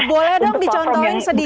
boleh dong dicontohin sedikit